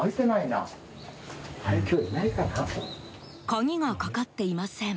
鍵がかかっていません。